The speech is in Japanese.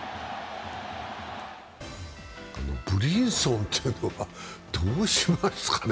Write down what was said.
ブリンソンというのはどうしますかね？